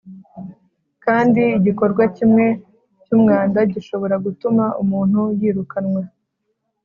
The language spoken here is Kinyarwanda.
kandi igikorwa kimwe cyumwanda gishobora gutuma umuntu yirukanwa